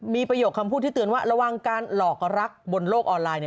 มีประโยคคำพูดที่เตือนว่าระวังการหลอกรักบนโลกออนไลน์